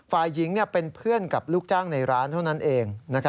ฝ่ายหญิงเป็นเพื่อนกับลูกจ้างในร้านเท่านั้นเอง